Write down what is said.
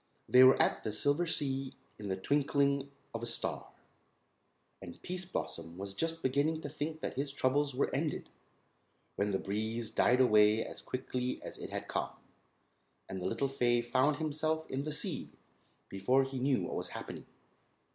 They were at the Silver Sea in the twinkling of a star, and Pease Blossom was just beginning to think that his troubles were ended, when the breeze died away as quickly as it had come, and the little fay found himself in the sea before he knew what was happening.